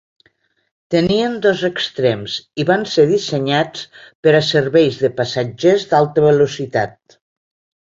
Tenien dos extrems i van ser dissenyats per a serveis de passatgers d'alta velocitat.